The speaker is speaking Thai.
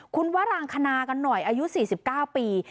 คุณวรางคณากันหน่อยอายุ๔๙ปี